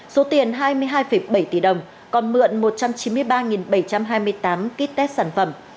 số tiền hai mươi hai bảy tỷ đồng còn mượn một trăm chín mươi ba bảy trăm hai mươi tám ký test sản phẩm